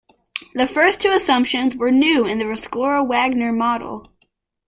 The first two assumptions were new in the Rescorla-Wagner model.